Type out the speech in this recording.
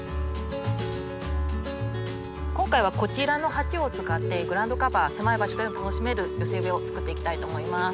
今回はこちらの鉢を使ってグラウンドカバー狭い場所でも楽しめる寄せ植えを作っていきたいと思います。